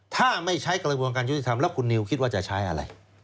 ถ้าไม่ใช้กระบวนการยุติธรรมแล้วคุณนิวคิดว่าจะใช้อะไร